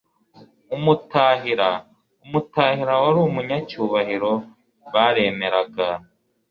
Umutahira: Umutahira wari umunyacyubahiro baremeraga